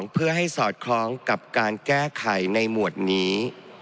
เพื่อให้สอดคล้องกับการแก้ไขในหมวดนี้